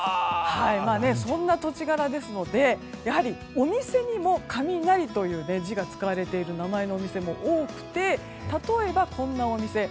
そんな土地柄ですので、お店にも雷という字が使われている名前のお店も多くて例えば、こんなお店。